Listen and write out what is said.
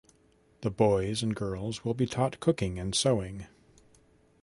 The boys and girls will be taught cooking and sewing.